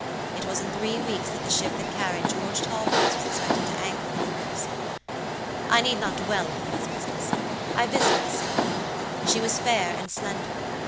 "It was in three weeks that the ship that carried George Talboys was expected to anchor in the Mersey. "I need not dwell upon this business. I visited the sick girl. She was fair and slender.